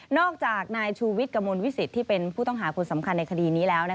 อกจากนายชูวิทย์กระมวลวิสิตที่เป็นผู้ต้องหาคนสำคัญในคดีนี้แล้ว